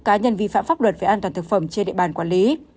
cá nhân vi phạm pháp luật về an toàn thực phẩm trên địa bàn quản lý